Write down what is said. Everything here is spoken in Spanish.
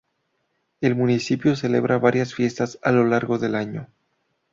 El municipio celebra varias fiestas a lo largo del año.